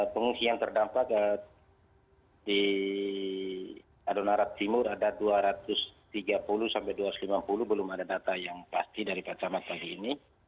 pengungsian terdampak di adonarat timur ada dua ratus tiga puluh sampai dua ratus lima puluh belum ada data yang pasti dari pak camat pagi ini